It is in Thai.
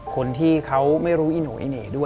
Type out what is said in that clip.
คนที่เขาไม่รู้อีโน่อีเหน่ด้วย